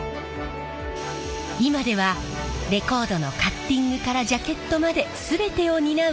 今ではレコードのカッティングからジャケットまで全てを担う